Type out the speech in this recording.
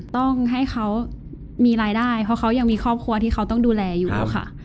ต้องให้เขามีรายได้เพราะเขายังมีครอบครัวที่เขาต้องดูแลอยู่ค่ะ